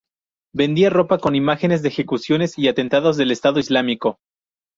Vendía ropa con imágenes de ejecuciones y atentados del Estado Islámico.